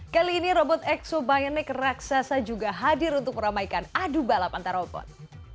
kali ini robot exo bionik raksasa juga hadir untuk meramaikan adu balap antara robot